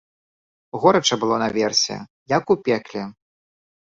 Горача было наверсе, як у пекле.